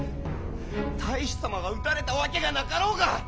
太守様が討たれたわけがなかろうが！